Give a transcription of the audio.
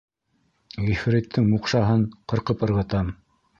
Ғифриттең... муҡшаһын ҡырҡып ырғытам.